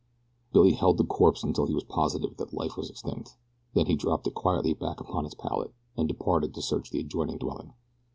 Byrne held the corpse until he was positive that life was extinct, then he dropped it quietly back upon its pallet, and departed to search the adjoining dwelling.